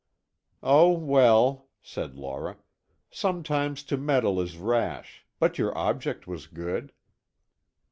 "Oh, well," said Laura. "Sometimes to meddle is rash, but your object was good."